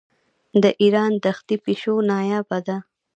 د ایران دښتي پیشو نایابه ده.